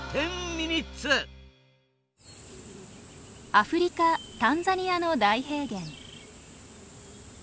アフリカタンザニアの大平原。